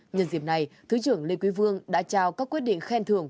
nhân dịp này thứ trưởng lê quý vương đã trao các quyết định khen thưởng